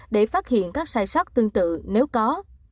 để phát hiện các sai sót tương tự nếu có